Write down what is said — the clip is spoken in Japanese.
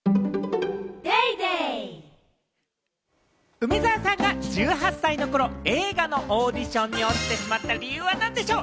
梅沢さんが１８歳の頃、映画のオーディションに落ちてしまった理由は何でしょう？